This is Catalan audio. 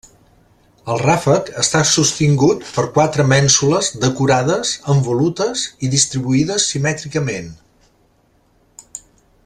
El ràfec està sostingut per quatre mènsules decorades amb volutes i distribuïdes simètricament.